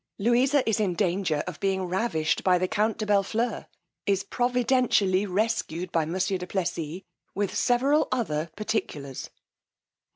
_Louisa is in danger of being ravished by the count de Bellfleur; is providentially rescued by monsieur du Plessis, with several other particulars_.